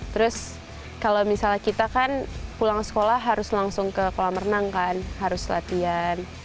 terus kalau misalnya kita kan pulang sekolah harus langsung ke kolam renang kan harus latihan